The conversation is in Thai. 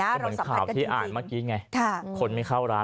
เราสัมผัสกันจริงนะครับค่ะมันเหมือนข่าวที่อ่านเมื่อกี้ไงคนไม่เข้าร้าน